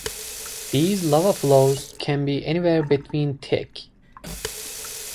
These lava flows can be anywhere between thick.